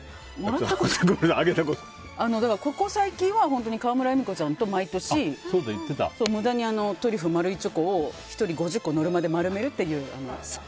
ここ最近は川村エミコちゃんと毎年、無駄にトリュフ、丸いチョコを１人５０個ノルマで丸めるっていう。